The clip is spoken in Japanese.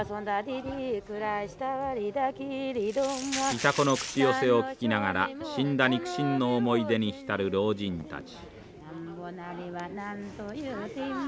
イタコの口寄せを聞きながら死んだ肉親の思い出に浸る老人たち。